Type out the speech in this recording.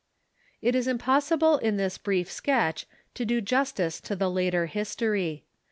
It is impossible in this brief sketch to do justice to the later history.